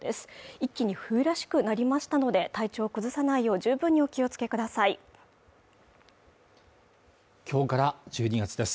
一気に冬らしくなりましたので体調を崩さないよう十分にお気をつけください今日から１２月です